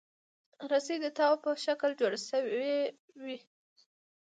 رسۍ د تاو په شکل جوړه شوې وي.